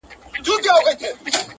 د دغه صنفونو